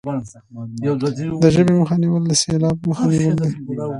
د ژبې مخه نیول د سیلاب مخه نیول دي.